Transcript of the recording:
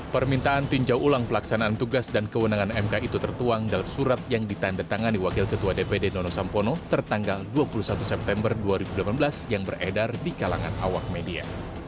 permintaan tinjau ulang pelaksanaan tugas dan kewenangan mk itu tertuang dalam surat yang ditanda tangani wakil ketua dpd nono sampono tertanggal dua puluh satu september dua ribu delapan belas yang beredar di kalangan awak media